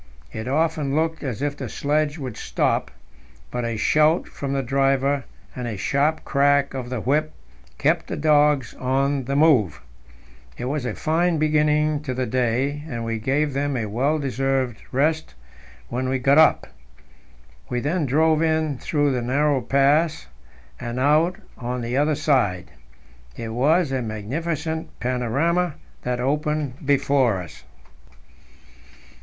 It often looked as if the sledge would stop, but a shout from the driver and a sharp crack of the whip kept the dogs on the move. It was a fine beginning to the day, and we gave them a well deserved rest when we got up. We then drove in through the narrow pass and out on the other side. It was a magnificent panorama that opened before us.